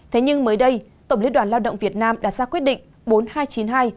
thế nhưng mới đây tổng liên đoàn lao động việt nam đã ra quyết định bốn nghìn hai trăm chín mươi hai